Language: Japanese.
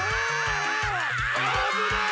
あぶない！